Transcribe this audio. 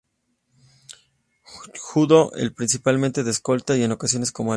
Jugó de principalmente de escolta y en ocasiones como alero.